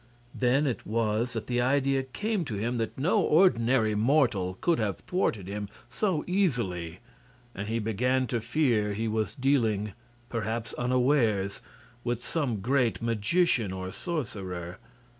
Then it was that the idea came to him that no ordinary mortal could have thwarted him so easily, and he began to fear he was dealing perhaps unawares with some great magician or sorcerer.